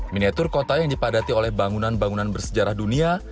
miniatur kota yang dipadati oleh bangunan bangunan bersejarah dunia